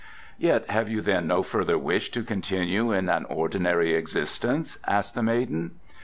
"Yet have you then no further wish to continue in an ordinary existence?" asked the maiden.